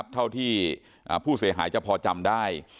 เท่าที่ผู้เสียหายจะพอจำได้